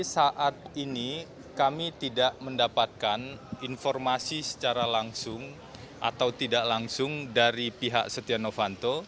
saat ini kami tidak mendapatkan informasi secara langsung atau tidak langsung dari pihak setia novanto